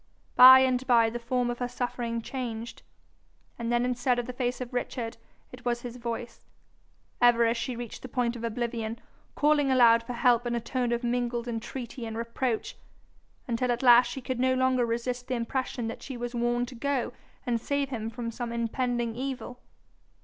By and by the form of her suffering changed, and then instead of the face of Richard it was his voice, ever as she reached the point of oblivion, calling aloud for help in a tone of mingled entreaty and reproach, until at last she could no longer resist the impression that she was warned to go and save him from some impending evil.